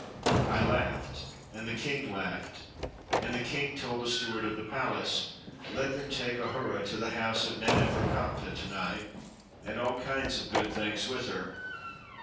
I laughed, and the king laughed. And the king told the steward of the palace," Let them take Ahura to the house of Naneferkaptah to night, and all kinds of good things with her."